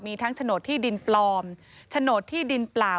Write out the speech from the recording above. มีทั้งโฉนดที่ดินปลอมโฉนดที่ดินเปล่า